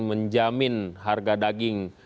menjamin harga daging